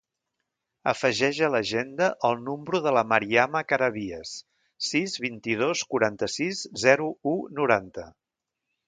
Afegeix a l'agenda el número de la Mariama Carabias: sis, vint-i-dos, quaranta-sis, zero, u, noranta.